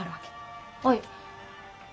はい。